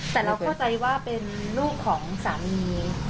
แต่เราเข้าใจว่าเป็นลูกของสามี